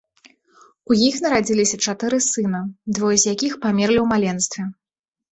У іх нарадзіліся чатыры сына, двое з якіх памерлі ў маленстве.